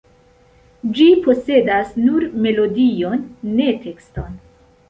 Ĝi posedas nur melodion, ne tekston.